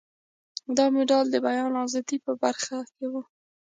دا مډال د بیان ازادۍ په برخه کې و.